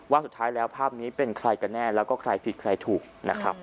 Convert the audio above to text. สุดท้ายแล้วภาพนี้เป็นใครกันแน่แล้วก็ใครผิดใครถูกนะครับ